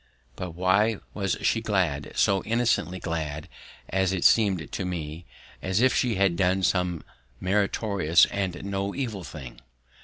But why was she glad, so innocently glad as it seemed to me, as if she had done some meritorious and no evil thing?